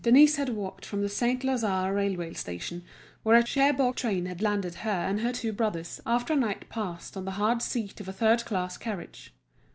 Denise had walked from the Saint Lazare railway station, where a Cherbourg train had landed her and her two brothers, after a night passed on the hard seat of a third class carriage.